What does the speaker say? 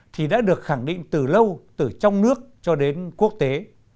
thì đã được khẳng định từ lâu từ trong nước cho đến quốc tế